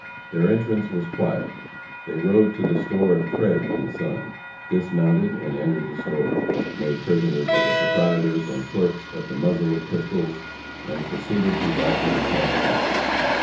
Their entrance was quiet. They rode to the store of Craig & Son; dismounted and entered the store; made prisoners of the proprietors and clerks at the muzzle of pistols, and proceeded to rifle the cash box.